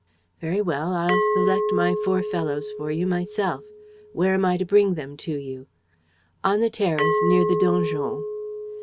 "Very well, I'll select my four fellows for you myself. Where am I to bring them to you?" "On the terrace, near the donjon."